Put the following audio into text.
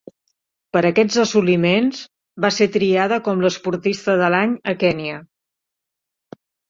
Per aquests assoliments, va ser triada com l'esportista de l'any a Kenya.